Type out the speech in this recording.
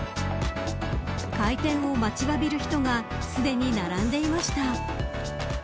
開店を待ちわびる人がすでに並んでいました。